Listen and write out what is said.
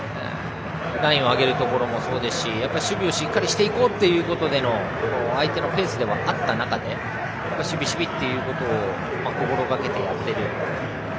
ラインを上げるところもそうですし守備をしっかりしていこうということで相手のペースではあった中で守備、守備ということを心がけてやっている。